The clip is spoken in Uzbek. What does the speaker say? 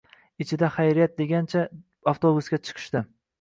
Ichida hayriyat degancha avtobusga chiqishdi